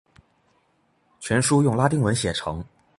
全书用拉丁文写成。